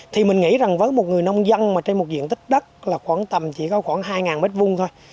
thì mình nghĩ rằng với một người nông dân mà trên một diện tích đất là khoảng tầm chỉ có khoảng hai ngàn mét vuông thôi